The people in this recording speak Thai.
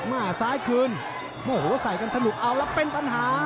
มาซ้ายคืนโอ้โหใส่กันสนุกเอาแล้วเป็นปัญหา